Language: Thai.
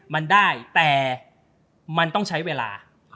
มันได้แต่มันต้องใช้เวลา